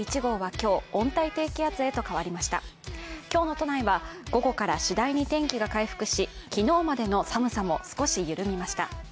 今日の都内は午後から次第に天気が回復し、昨日までの寒さも少し緩みました。